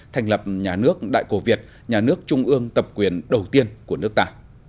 thành lập nhà nước đại cổ việt nhà nước trung ương tập quyền đầu tiên của nước ta